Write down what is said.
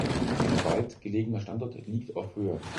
Sein im Wald gelegener Standort liegt auf Höhe.